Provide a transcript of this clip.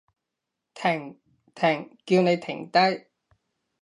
停！停！叫你停低！